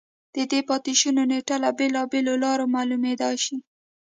د دې پاتې شونو نېټه له بېلابېلو لارو معلومېدای شي